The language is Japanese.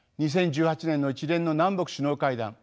２０１８年の一連の南北首脳会談